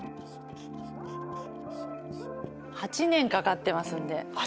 ８年かかってますんで。